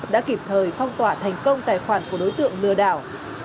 đã kịp thời phong tỏa thành công tài khoản của đối tượng lừa đảo